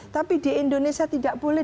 tapi di indonesia tidak boleh